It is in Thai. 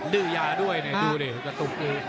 ดื้อยาด้วยดูดิกระตุกดี